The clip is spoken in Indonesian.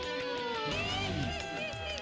hazi brains supaya menentang